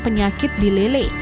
penyakit di lele